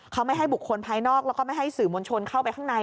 เขาไม่ให้บุคคลภายนอกแล้วก็ไม่ให้สื่อมวลชนเข้าไปข้างใน